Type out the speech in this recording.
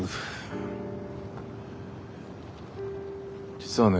実はね